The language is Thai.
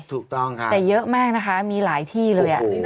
ถูกต้องครับแต่เยอะมากนะคะมีหลายที่เลย